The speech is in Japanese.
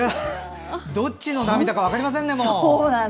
どっちの涙か分かりませんね。